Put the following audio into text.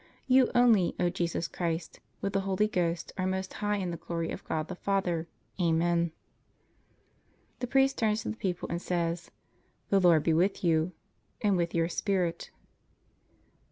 You only, O Jesus Christ, with the Holy Ghost, are most high in the Glory of God the Father. Amen. The priest turns to the people and says: The Lord be with you. And with your spirit.